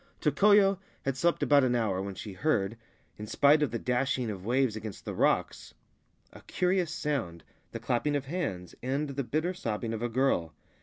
Tokoyo had slept about an hour when she heard, in spite of the dashing of waves against the rocks, a curious sound, the clapping of hands and the bitter sobbing of a girl.